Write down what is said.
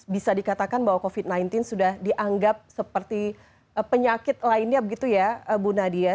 bisa dikatakan bahwa covid sembilan belas sudah dianggap seperti penyakit lainnya begitu ya bu nadia